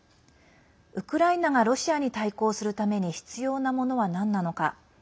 ウクライナがロシアに対抗するために必要なものはなんなのか。